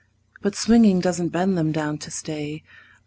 But swinging doesn't bend them down to stay.